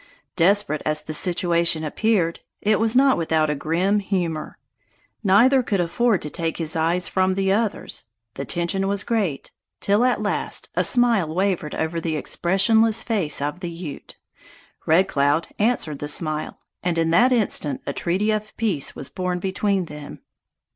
Desperate as the situation appeared, it was not without a grim humor. Neither could afford to take his eyes from the other's; the tension was great, till at last a smile wavered over the expressionless face of the Ute. Red Cloud answered the smile, and in that instant a treaty of peace was born between them.